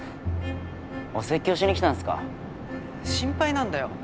お説教しに来たんすか？心配なんだよ。